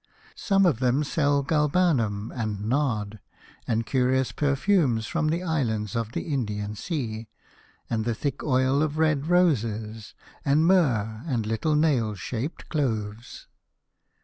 Some of them sell galbanum and nard, and curious per fumes from the islands of the Indian Sea, and the thick oil of red roses, and myrrh and little nail shaped cloves.